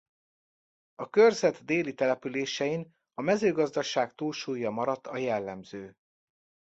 A körzet déli településein a mezőgazdaság túlsúlya maradt a jellemző.